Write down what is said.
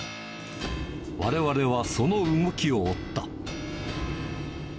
われわれはその動きを追った。